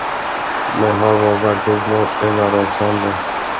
Men han var varken glad eller rasande.